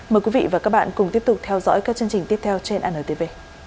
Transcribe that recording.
mời quý vị và các bạn cùng tiếp tục theo dõi các chương trình tiếp theo trên anh tv